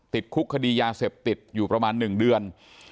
ติดคุกคดียาเสพติดอยู่ประมาณ๑เดือน